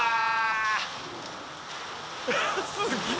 すげえ！